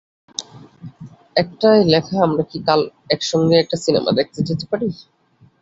একটায় লেখা, আমরা কি কাল একসঙ্গে একটা সিনেমা দেখতে যেতে পারি?